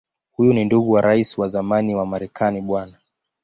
Huyu ni ndugu wa Rais wa zamani wa Marekani Bw.